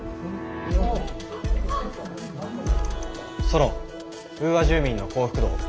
ソロンウーア住民の幸福度を。